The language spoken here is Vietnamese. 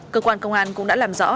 cơ quan công an cũng đã làm rõ